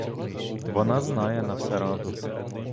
Вона знає на все раду.